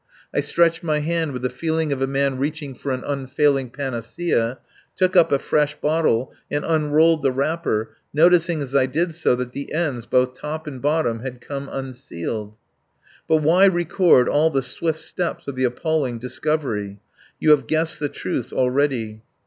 I stretched my hand with the feeling of a man reaching for an unfailing panacea, took up a fresh bottle and unrolled the wrapper, noticing as I did so that the ends, both top and bottom, had come unsealed. ... But why record all the swift steps of the appalling discovery? You have guessed the truth already.